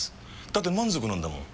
だって満足なんだもん。